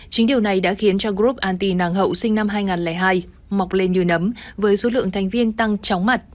chính điều này đã khiến cho group anti nàng hậu sinh năm hai nghìn hai mọc lên như nấm với số lượng thành viên tăng chóng mặt